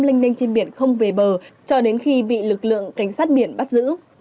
linh ninh trên biển không về bờ cho đến khi bị lực lượng cảnh sát biển bắt giữ